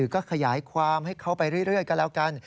ก็ขยายความให้เขาไปเรื่อยก็แล้วกัน